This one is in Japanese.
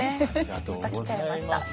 また来ちゃいました。